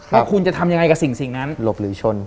แล้วคุณจะทำยังไงกับสิ่งนั้น